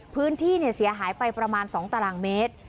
พื้นที่เสียหายไปประมาณ๒ตารางเมตร